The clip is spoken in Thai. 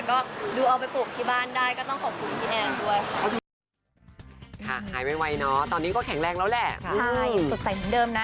ก็ดูเอาไปปลูกที่บ้านได้ก็ต้องขอบคุณพี่แอนด้วย